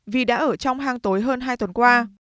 vì đã ở trong hang tối hơn hai tuần qua